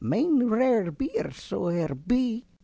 _) Main rare beer, zo her be.